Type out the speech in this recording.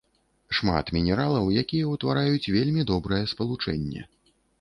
Шмат мінералаў, якія ўтвараюць вельмі добрае спалучэнне.